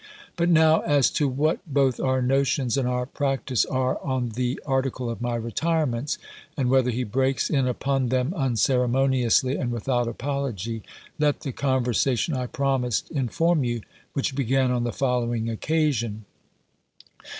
But now, as to what both our notions and our practice are on the article of my retirements, and whether he breaks in upon them unceremoniously, and without apology, let the conversation I promised inform you, which began on the following occasion.